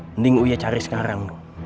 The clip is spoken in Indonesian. mending uya cari sekarang